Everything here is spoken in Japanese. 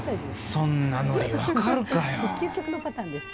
そんなノリ分かるかよ。